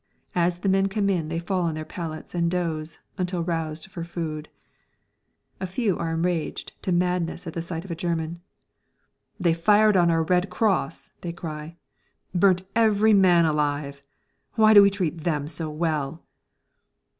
As the men come in they fall on their pallets and doze until roused for food. A few are enraged to madness at the sight of a German. "They fired on our Red Cross!" they cry. "Burnt every man alive! Why do we treat them so well?"